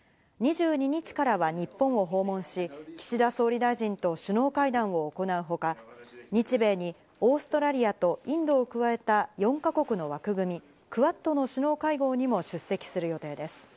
２２日からは日本を訪問し、岸田総理大臣と首脳会談を行うほか、日米にオーストラリアとインドを加えた４か国の枠組み、クアッドの首脳会合にも出席する予定です。